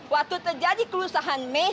waktu terjadi kelusahan mei